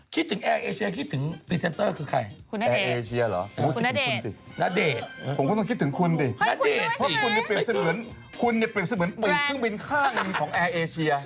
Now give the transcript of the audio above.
คุณเป็นสิ่งเหมือนเปลี่ยนเครื่องบินข้างหนึ่งของแอร์เอเชีย